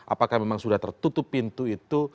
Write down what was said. apakah memang sudah tertutup pintu itu